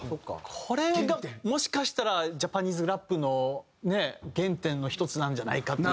これがもしかしたらジャパニーズラップの原点の１つなんじゃないかっていう。